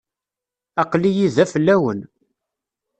Aql-iyi da fell-awen.